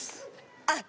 あっ